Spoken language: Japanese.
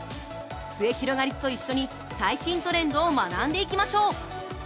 すゑひろがりずと一緒に最新トレンドを学んでいきましょう！